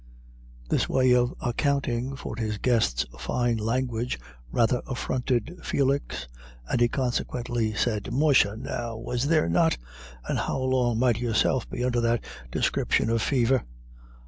This way of accounting for his guest's fine language rather affronted Felix, and he consequently said, "Musha now, was there not? And how long might yourself be under that descripshin of fever?"